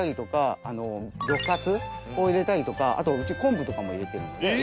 魚かすを入れたりとかあとうち昆布とかも入れてるんで。